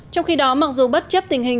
trong khi đó mặc dù bất chấp tình hình